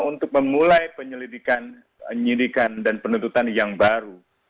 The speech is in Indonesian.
untuk memulai penyelidikan dan penuntutan yang baru